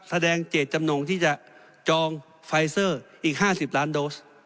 เจตจำนงที่จะจองไฟเซอร์อีก๕๐ล้านโดส